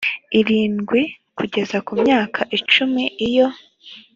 irindwi kugeza ku myaka icumi iyo